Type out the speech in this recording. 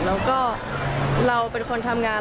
แล้วก็เราเป็นคนทำงาน